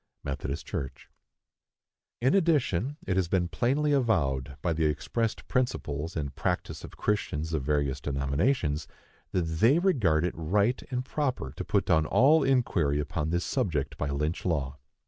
(Methodist Church.) In addition, it has been plainly avowed, by the expressed principles and practice of Christians of various denominations, that they regard it right and proper to put down all inquiry upon this subject by Lynch law.